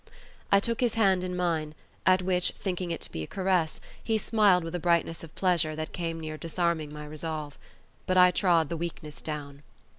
I took his hand in mine, at which, thinking it to be a caress, he smiled with a brightness of pleasure that came near disarming my resolve. But I trod the weakness down.